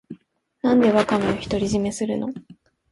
なんでワカメを独り占めするの